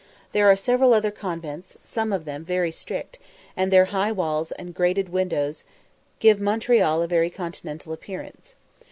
There are several other convents, some of them very strict; and their high walls and grated windows give Montreal a very Continental appearance.